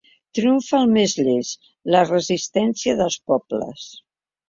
Triomfa el més llest: la resistència dels pobles.